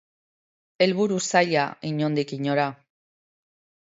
Helburu zaila, inondik inora.